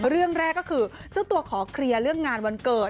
เรื่องแรกก็คือเจ้าตัวขอเคลียร์เรื่องงานวันเกิด